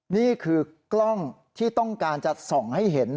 นี่คือกล้องที่ต้องการจะส่องให้เห็น